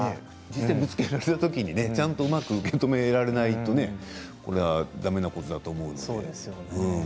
実際にぶつけられたときうまく受け止められないとねだめなことだと思うし。